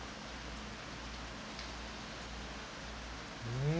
うん！